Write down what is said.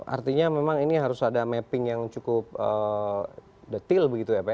artinya memang ini harus ada mapping yang cukup detail begitu ya pak ya